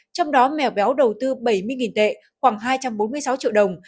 trong đó mèo béo đầu tư bảy mươi tệ khoảng hai trăm bốn mươi sáu triệu đồng